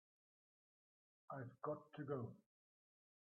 I've got to go.